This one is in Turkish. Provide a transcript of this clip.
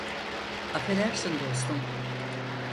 Affedersin dostum.